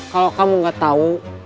kalau kamu gak tau